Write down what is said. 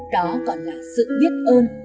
đó còn là sự biết ơn